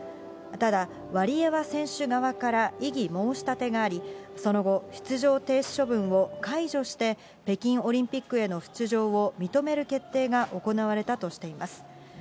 ただ、ワリエワ選手側から異議申し立てがあり、その後、出場停止処分を解除して、北京オリンピックへの出場を認める決定が行われたとしています。